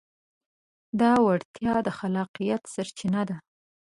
دا وړتیا د خلاقیت سرچینه ده.